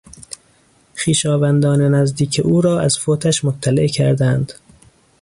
خویشاوندان نزدیک او را از فوتش مطلع کردند.